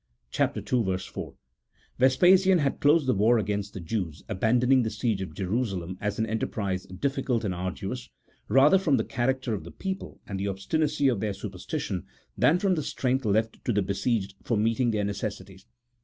4) :—" Ves pasian had closed the war against the Jews, abandoning the siege of Jerusalem as an enterprise difficult and arduous, rather from the character of the people and the obstinacy of their superstition, than from the strength left, to the besieged for meeting their necessities."